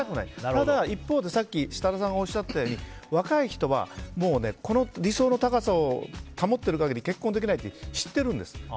ただ、一方でさっき設楽さんがおっしゃったように若い人はこの理想の高さを保っている限り結婚できないって知ってるんです。